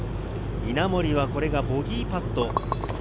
稲森はこれがボギーパット。